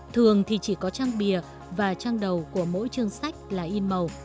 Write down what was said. thường thì chỉ có trang bìa và trang đầu của mỗi chương sách là in màu